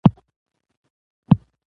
او دا په داسې يوه واقعيت اوښتى،